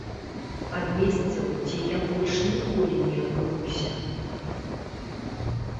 Ад месцаў, дзе я больш ніколі не апынуся.